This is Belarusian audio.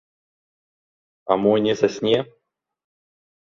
А мо не засне?